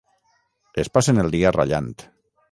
Es passen el dia rallant.